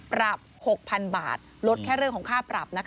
๖๐๐๐บาทลดแค่เรื่องของค่าปรับ